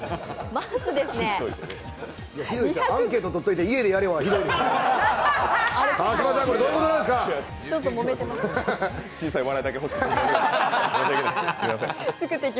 アンケートとっといて家でやれよはひどい。